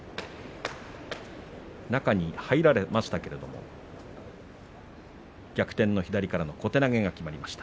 中に入られましたが逆転の左からの小手投げが決まっています。